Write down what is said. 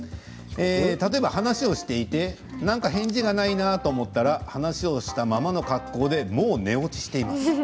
例えば話をしていて何か返事がないなと思ったら話をしていたままの格好でもう寝落ちしています。